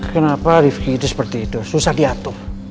kenapa review itu seperti itu susah diatur